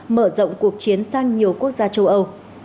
mở rộng cuộc chiến sang nhiều quốc gia châu âu